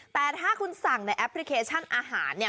แต่ถ้าคุณสั่งในแอปพลิเคชันอาหารเนี่ย